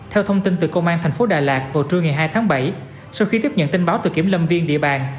theo thông tin từ công an thành phố đà lạt vào trưa ngày hai tháng bảy sau khi tiếp nhận tin báo từ kiểm lâm viên địa bàn